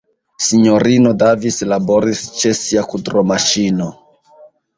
Sinjorino Davis laboris ĉe sia kudromaŝino.